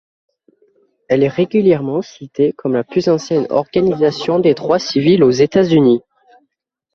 Elle est régulièrement citée comme la plus ancienne organisation des droits civils aux États-Unis.